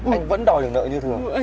anh vẫn đòi được nợ như thường